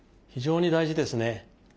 非常に大事ですね。